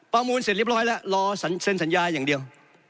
มูลเสร็จเรียบร้อยแล้วรอเซ็นสัญญาอย่างเดียว